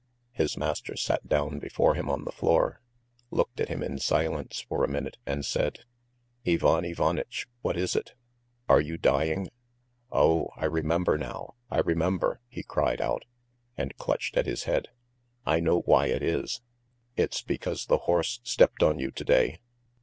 His master sat down before him on the floor, looked at him in silence for a minute, and said: "Ivan Ivanitch, what is it? Are you dying? Oh, I remember now, I remember!" he cried out, and clutched at his head. "I know why it is! It's because the horse stepped on you to day!